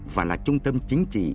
và là trung tâm chính trị